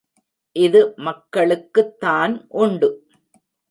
இது மக்களுக்குத் தான் உண்டு.